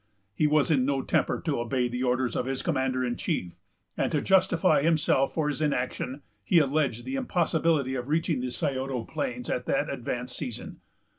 He was in no temper to obey the orders of the commander in chief; and, to justify himself for his inaction, he alleged the impossibility of reaching the Scioto plains at that advanced season.